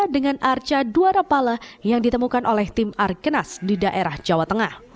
dengan arca dwarapala yang ditemukan oleh tim arkenas di daerah jawa tengah